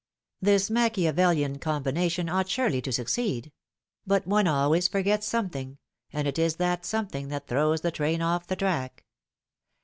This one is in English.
This Machiavelian combination ought surely to succeed ; but one always forgets something, and it is that something that throws the train off the track.